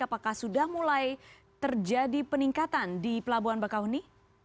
apakah sudah mulai terjadi peningkatan di pelabuhan bakahuni